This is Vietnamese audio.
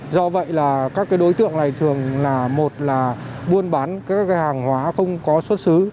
do vậy là các đối tượng này thường là một là buôn bán các hàng hóa không có xuất xứ